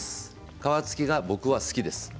皮付きが、僕は好きです。